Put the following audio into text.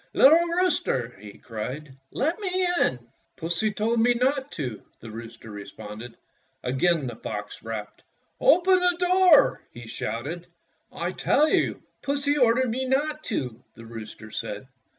"Little rooster," he cried, "let me in!" "Pussy told me not to," the rooster re sponded. Again the fox rapped. "Open the door," he shouted. "I tell you Pussy ordered me not to," the rooster said.